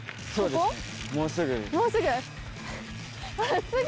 もうすぐ？